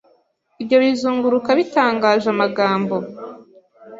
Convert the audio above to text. Ibyo bizunguruka bitangaje Amagambo